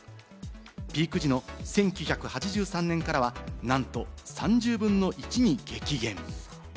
ピーク時の１９８３年からはなんと３０分の１に激減。